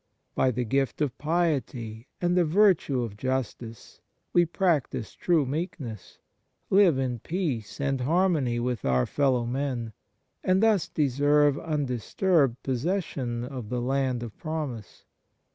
By the gift of piety and the virtue of justice we practise true meekness, live in peace and harmony with our fellow men, and thus deserve undisturbed possession of the land of promise.